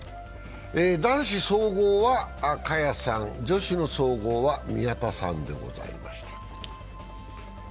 男子総合は萱さん、女子の総合は宮田さんでございました。